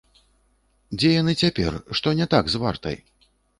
Дзе яны цяпер, што не так з вартай?